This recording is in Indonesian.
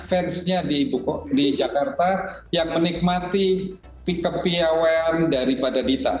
jadi semakin banyak fansnya di jakarta yang menikmati kepewean daripada dita